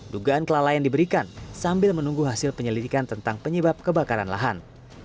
dugaan kelalaian diberikan sambil menunggu hasil penyelidikan tentang penyebab kebakaran lahan